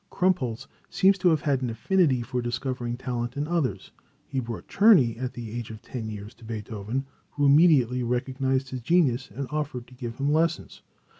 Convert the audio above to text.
Krumpholz seems to have had an affinity for discovering talent in others. He brought Czerny, at the age of ten years, to Beethoven, who immediately recognized his genius, and offered to give him lessons.